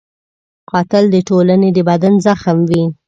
قاتل د ټولنې د بدن زخم وي